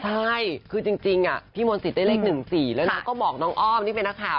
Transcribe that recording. ใช่คือจริงพี่มนตรีได้เลข๑๔แล้วนางก็บอกน้องอ้อมที่เป็นนักข่าว